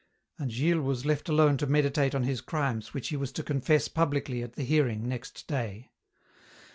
And Gilles was left alone to meditate on his crimes which he was to confess publicly at the hearing next day.